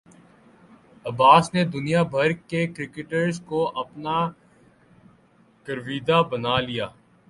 عباس نے دنیا بھر کے کرکٹرز کو اپنا گرویدہ بنا لیا